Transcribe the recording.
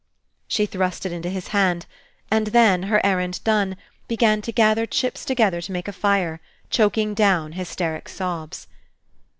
She thrust it into his hand, and then, her errand done, began to gather chips together to make a fire, choking down hysteric sobs.